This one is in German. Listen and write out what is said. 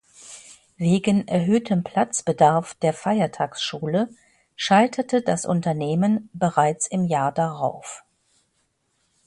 Wegen erhöhtem Platzbedarf der Feiertagsschule scheiterte das Unternehmen bereits im Jahr darauf.